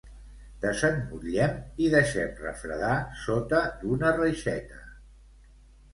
Desemmotllem, i deixem refredar sota d'una reixeta.